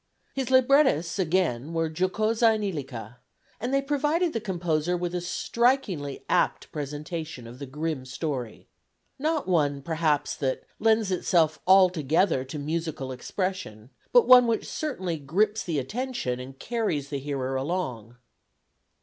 His librettists again were Giocosa and Illica, and they provided the composer with a strikingly apt presentation of the grim story; not one, perhaps, that lends itself altogether to musical expression, but one which certainly grips the attention and carries the hearer along.